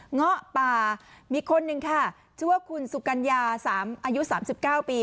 ง๊อป่ามีคนนึงค่ะชื่อว่าคุณสุกัญญาสามอายุสามสิบเก้าปี